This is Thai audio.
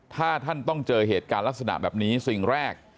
ถ้าท่านต้องเจอเหตุการณ์ลักษณะแบบนี้สิ่งแรก